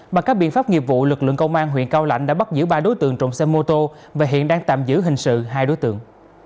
bằng các biện pháp nghiệp vụ lực lượng công an huyện cao lãnh đã bắt giữ ba đối tượng trộm xe mô tô và hiện đang tạm giữ hình sự hai đối tượng